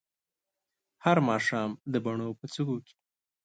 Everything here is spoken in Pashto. هر ماښام د بڼو په څوکو کې